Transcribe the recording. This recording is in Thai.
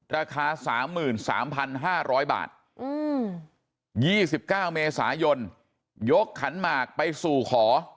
ราคาสามหมื่นสามพันห้าร้อยบาทยี่สิบเก้าเมษายนยกขันหมากไปสู่ขอ